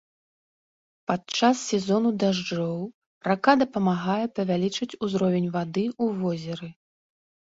Падчас сезону дажджоў рака дапамагае павялічыць узровень вады ў возеры.